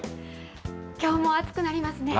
きょうも暑くなりますね。